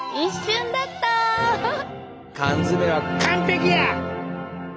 缶詰は完璧や！